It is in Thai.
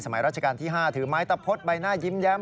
ราชการที่๕ถือไม้ตะพดใบหน้ายิ้มแย้ม